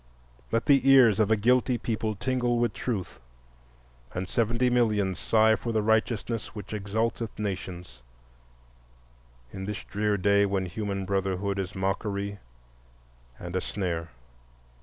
Let the ears of a guilty people tingle with truth, and seventy millions sigh for the righteousness which exalteth nations, in this drear day when human brotherhood is mockery and a snare.